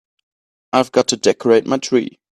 I've got to decorate my tree.